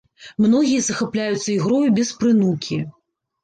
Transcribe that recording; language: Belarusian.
Многія захапляюцца ігрою без прынукі.